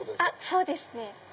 そうですね。